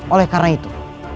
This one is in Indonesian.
oleh karena itu